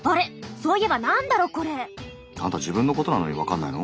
そういえば何だろこれ？アンタ自分のことなのにわかんないの？